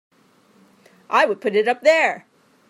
I would put it up there!